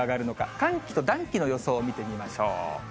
寒気と暖気の予想を見てみましょう。